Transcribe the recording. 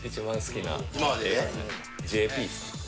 『Ｊ．Ｐ．』？